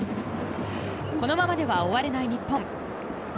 このままでは終われない日本。